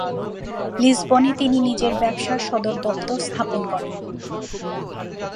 লিসবনে তিনি নিজের ব্যবসার সদর দপ্তর স্থাপন করেন।